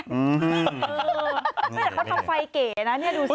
เขาทำไฟเก๋นะดูสิ